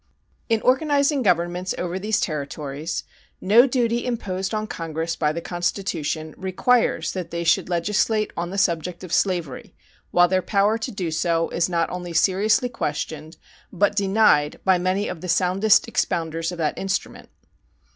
In organizing governments over these territories no duty imposed on Congress by the Constitution requires that they should legislate on the subject of slavery, while their power to do so is not only seriously questioned, but denied by many of the soundest expounders of that instrument.